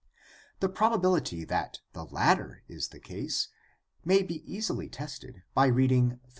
The probability that the latter is the case may be easily tested by reading Phil.